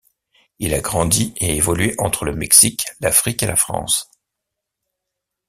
Il a grandi et évolué entre le Mexique, l'Afrique et la France.